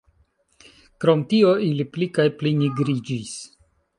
Krom tio, ili pli kaj pli nigriĝis.